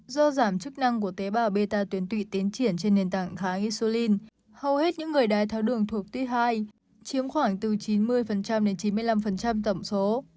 do giảm chức năng của tế bào beta tuyến tụy tiến triển trên nền tảng kháng isulin hầu hết những người đai tháo đường thuộc type hai chiếm khoảng từ chín mươi đến chín mươi năm tổng số